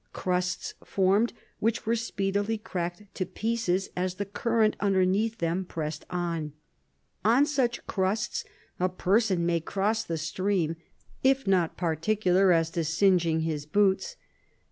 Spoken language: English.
Crusts formed, which were speedily cracked to pieces, as the current underneath pressed on. On such crusts a person may cross the stream, if not particular as to singeing his boots.